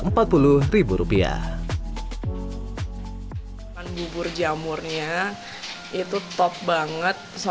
kedai yang punya slogan dapur sehat alami ini buka mulai jam delapan pagi hingga setengah enam sore